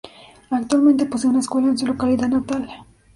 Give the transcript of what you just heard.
Actualmente posee una escuela en su localidad natal.